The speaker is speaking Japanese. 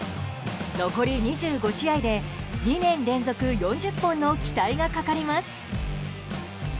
残り２５試合で２年連続４０本の期待がかかります。